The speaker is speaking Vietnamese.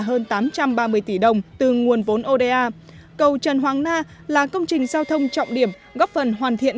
hơn tám trăm ba mươi tỷ đồng từ nguồn vốn oda cầu trần hoàng na là công trình giao thông trọng điểm góp phần hoàn thiện